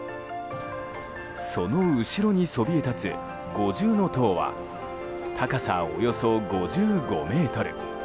その後ろにそびえ立つ五重塔は高さ、およそ５５ｍ。